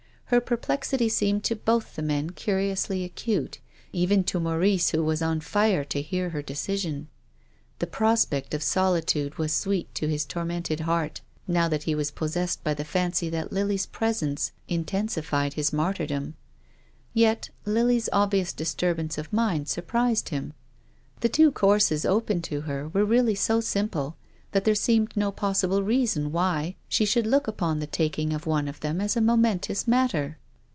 Her perplexity seemed to both the men curiously acute, even to Maurice who was on fire to hear her decision. The prospect of solitude was sweet to his tormented heart now that he was possessed by the fancy that Lily's presence intensified his martyrdom. Yet Lily's obvious disturbance of mind surprised him. The two courses open to her were really so simple that there seemed no possible reason why she should look upon the taking of one of them as a momentous matter.